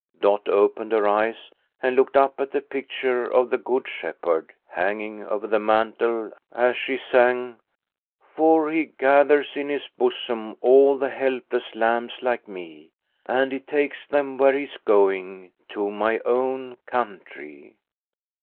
Dot opened her eyes and looked up at the picture of the Good Shepherd, hanging over the mantel, as she sang :"' For he gathers in his bosom all the helpless lambs like me, And he takes them where he's going, to my own country.'